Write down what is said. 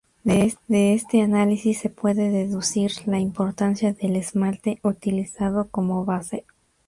De este análisis se puede deducir la importancia del esmalte utilizado como base.